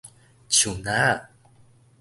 樹林仔